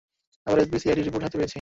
আমরা SB CID report হতে পেয়েছি।